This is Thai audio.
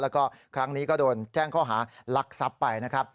แล้วก็ครั้งนี้ก็โดนแจ้งข้อหารักทรัพย์ไปนะครับ